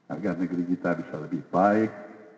agar negeri kita bisa lebih baik